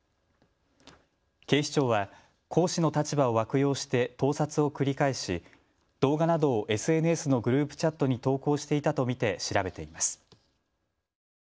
警視庁は講師の立場を悪用して盗撮を繰り返し動画などをＳＮＳのグループチャットに投稿していたと見て調べています。